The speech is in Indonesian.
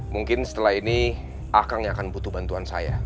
mungkin setelah ini akang yang akan butuh bantuan saya